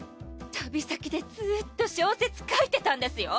旅先でずっと小説書いてたんですよ。